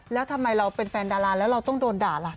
แล้วทำไมเราเป็นแฟนดาราแล้วเราต้องโดนด่าล่ะ